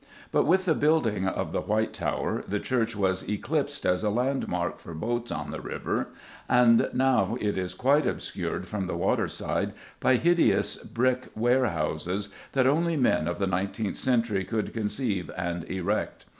But, with the building of the White Tower, the church was eclipsed as a landmark for boats on the river, and now it is quite obscured from the water side by hideous brick warehouses that only men of the nineteenth century could conceive and erect.